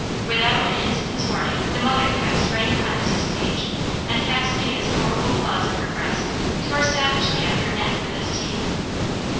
Without an instant's warning, the mother cat sprang upon Mrs. Page, and fastening its powerful claws in her breast, tore savagely at her neck with its teeth.